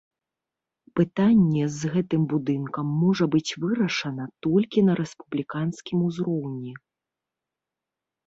Пытанне з гэтым будынкам можа быць вырашана толькі на рэспубліканскім узроўні.